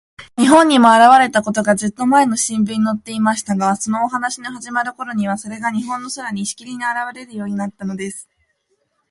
日本にもあらわれたことが、ずっとまえの新聞にのっていましたが、そのお話のはじまるころには、それが日本の空に、しきりにあらわれるようになったのです。